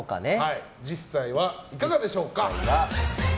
実際はいかがでしょうか？